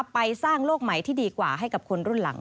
ไปสร้างโลกใหม่ที่ดีกว่าให้กับคนรุ่นหลัง